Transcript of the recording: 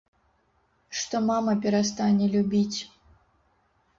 Што мама перастане любіць.